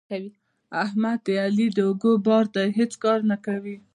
احمد د علي د اوږو بار دی؛ هیڅ کار نه کوي.